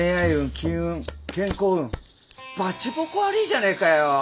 金運健康運バチボコ悪ぃじゃねえかよ！